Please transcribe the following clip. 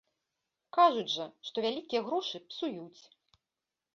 Кажуць жа, што вялікія грошы псуюць.